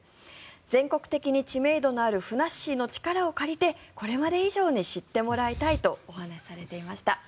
全国的に知名度のあるふなっしーの力を借りてこれまで以上に知ってもらいたいとお話しされていました。